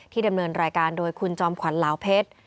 ดำเนินรายการโดยคุณจอมขวัญลาวเพชร